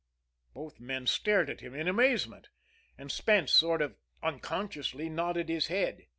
Both men stared at him in amazement and Spence, sort of unconsciously, nodded his head.